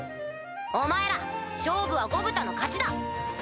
お前ら勝負はゴブタの勝ちだ。